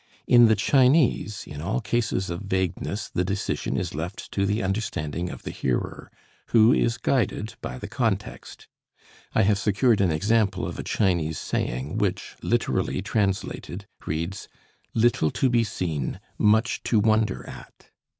In the Chinese, in all cases of vagueness the decision is left to the understanding of the hearer, who is guided by the context. I have secured an example of a Chinese saying which, literally translated, reads: "Little to be seen, much to wonder at."